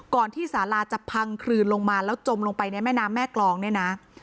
ที่สาราจะพังคลืนลงมาแล้วจมลงไปในแม่น้ำแม่กรองเนี่ยนะ